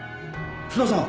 津田さん